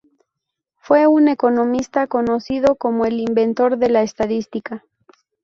Fue un economista, conocido como el "inventor de la estadística".